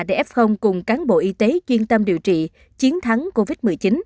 để ép không cùng cán bộ y tế chuyên tâm điều trị chiến thắng covid một mươi chín